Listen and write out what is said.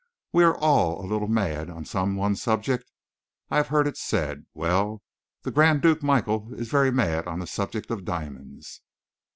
We are all a little mad on some one subject, I have heard it said; well, the Grand Duke Michael is very mad on the subject of diamonds."